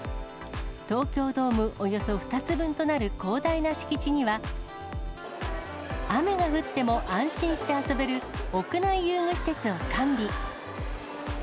東京ドームおよそ２つ分となる広大な敷地には、雨が降っても安心して遊べる屋内遊具施設を完備。